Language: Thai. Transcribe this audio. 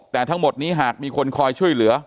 แต่ทั้งหมดนี้หากมีคนคอยช่วยเหลือ